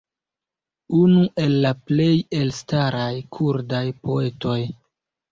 unu el la plej elstaraj kurdaj poetoj